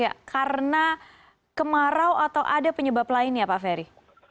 ya karena kemarau atau ada penyebab lainnya pak ferry